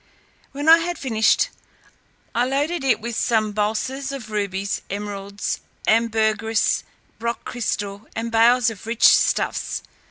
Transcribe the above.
When I had finished, I loaded it with some bulses of rubies, emeralds, ambergris, rock crystal, and bales of rich stuffs.